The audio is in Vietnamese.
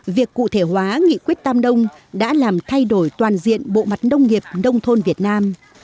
việc cụ thể hóa nghị quyết tam đông đã làm thay đổi toàn diện bộ mặt nông nghiệp nông thôn việt nam